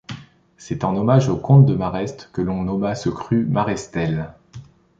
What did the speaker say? C'est en hommage aux comtes de Mareste que l'on nomma ce cru Marestel.